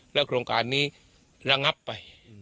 โครงการนี้ระงับไป